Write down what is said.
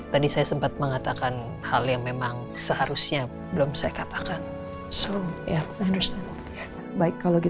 tadi saya sempat mengatakan hal hal yang sulit untuk diingat